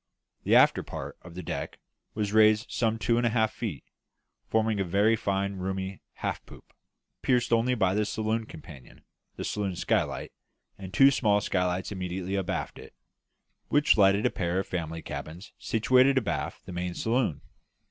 The after part of the deck was raised some two and a half feet, forming a fine roomy half poop, pierced only by the saloon companion, the saloon skylight, and two small skylights immediately abaft it, which lighted a pair of family cabins situated abaft the main saloon.